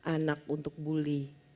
anak untuk buli